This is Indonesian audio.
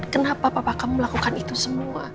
kenapa papa kamu melakukan itu semua